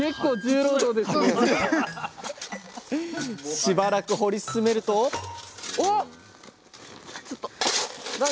しばらく掘り進めるとあすご！